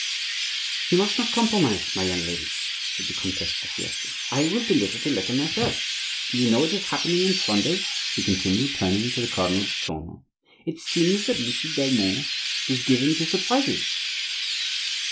"You must not compromise my young ladies," said the Comtesse de Fiesque. "I will deliver the letter myself.—Do you know what is happening in Flanders?" she continued, turning to the Cardinal de Tournon. "It seems that Monsieur d'Egmont is given to surprises."